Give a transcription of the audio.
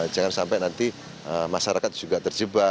jangan sampai nanti masyarakat juga terjebak